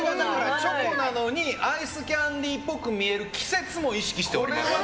チョコなのにアイスキャンディーっぽく見える季節も意識しております。